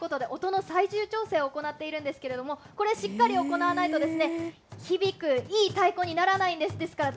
そうすることで音の最終調整を行っているんですけれども、これ、しっかり行わないと、響くいい太鼓にならないんです。